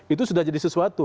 itu sudah jadi sesuatu